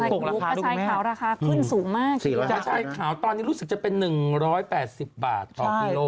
กระชายขาวราคาขึ้นสูงมากกระชายขาวตอนนี้รู้สึกจะเป็น๑๘๐บาทต่อกิโล